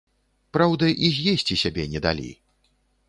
Праўда, і з'есці сябе не далі.